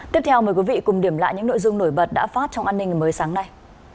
tiếp theo mời quý vị cùng điểm lại những nội dung nổi bật đã phát trong an ninh ngày mới sáng nay